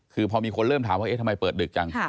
คือพอมีคนเริ่มถามว่าเอ๊ะทำไมเปิดดึกจัง